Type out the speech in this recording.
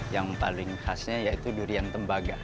yang paling khasnya yaitu durian tembaga